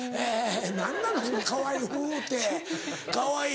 何なのそのかわいいンってかわいい。